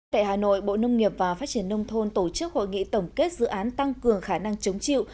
tại hà nội bộ nông nghiệp và phát triển nông thôn tổ chức hội nghị tổng kết dự án tăng cường khả năng chống chịu